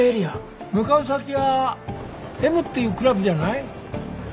向かう先はＭっていうクラブじゃない？